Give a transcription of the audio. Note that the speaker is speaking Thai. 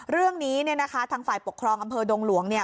เรื่องนี้เนี่ยนะคะทางฝ่ายปกครองอำเภอดงหลวงเนี่ย